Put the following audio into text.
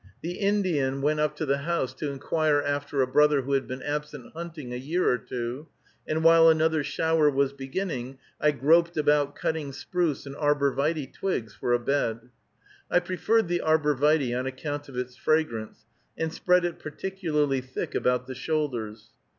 The Indian went up to the house to inquire after a brother who had been absent hunting a year or two, and while another shower was beginning, I groped about cutting spruce and arbor vitæ twigs for a bed. I preferred the arbor vitæ on account of its fragrance, and spread it particularly thick about the shoulders.